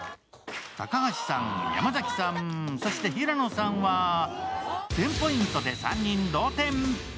高橋さん、山崎さん、そして平野さんは１０００ポイントで３人同点。